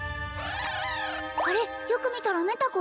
あれよく見たらメタ子？